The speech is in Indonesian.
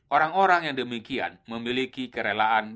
orang orang yang demikian memiliki kerelaan